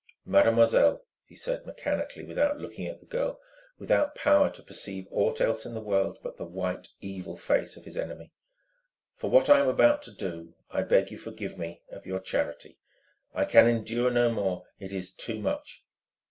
"Mademoiselle," he said mechanically, without looking at the girl, without power to perceive aught else in the world but the white, evil face of his enemy, "for what I am about to do, I beg you forgive me, of your charity. I can endure no more. It is too much...."